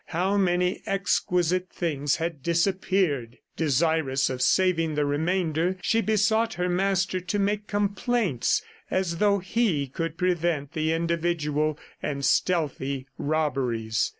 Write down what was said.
How many exquisite things had disappeared! ... Desirous of saving the remainder, she besought her master to make complaints, as though he could prevent the individual and stealthy robberies.